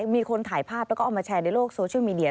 มีคนถ่ายภาพแล้วก็เอามาแชร์ในโลกโซเชียลมีเดีย